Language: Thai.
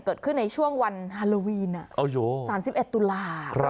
เกิดขึ้นในช่วงวันฮาโลวีนอ่ะเอ้าโยสามสิบเอ็ดตุลาห์ครับ